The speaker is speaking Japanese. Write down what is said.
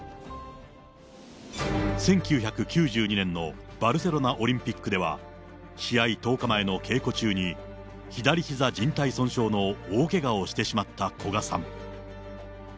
１９９２年のバルセロナオリンピックでは、試合１０日前の稽古中に左ひざじん帯損傷の大けがをしてしまった古賀さん。